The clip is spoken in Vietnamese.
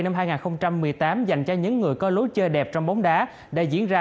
năm hai nghìn một mươi tám dành cho những người có lối chơi đẹp trong bóng đá đã diễn ra